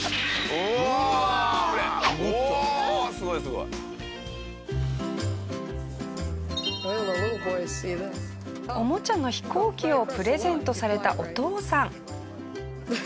おもちゃの飛行機をプレゼントされたお父さん。